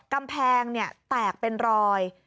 กำแพงแตกเป็นรอย